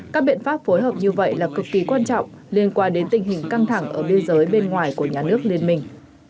các biện pháp phối hợp như vậy là cực kỳ quan trọng liên quan đến tình hình căng thẳng ở biên giới bên ngoài của nhà nước liên minh